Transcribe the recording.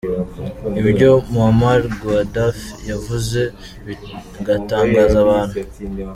Ibyo Muammar Guaddaffi yavuze bigatangaza abantu.